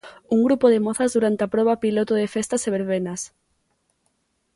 Un grupo de mozas durante a proba piloto de festas e verbenas.